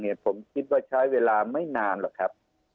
เขี่ยวผมคิดว่าใช้เวลาไม่นานเหรอครับ